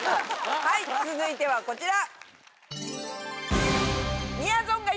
はい続いてはこちら！